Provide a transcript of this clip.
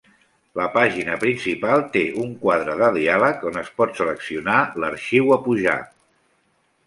La pàgina principal té un quadre de diàleg on es pot seleccionar l'arxiu a pujar.